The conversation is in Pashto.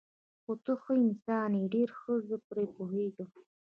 خو ته ښه انسان یې، ډېر ښه، زه پرې پوهېږم.